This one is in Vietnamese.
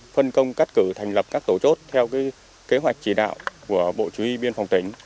phân công các cử thành lập các tổ chốt theo kế hoạch chỉ đạo của bộ chí huy biên phòng tỉnh